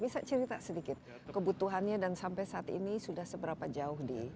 bisa cerita sedikit kebutuhannya dan sampai saat ini sudah seberapa jauh di